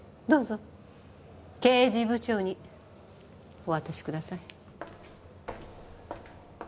どうぞ刑事部長にお渡しください。